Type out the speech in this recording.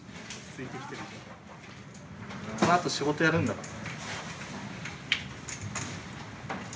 このあと仕事やるんだから。